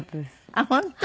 あっ本当。